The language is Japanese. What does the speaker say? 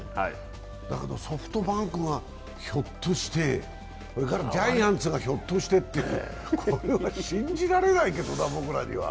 だけどソフトバンクがひょっとして、ジャイアンツがひょっとしてこれは僕らには信じられないけどな。